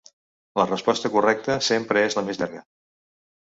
La resposta correcta sempre és la més llarga.